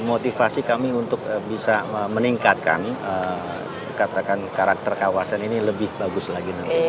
motivasi kami untuk bisa meningkatkan katakan karakter kawasan ini lebih bagus lagi nanti